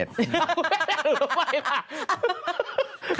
ได้ถึงไปค่ะ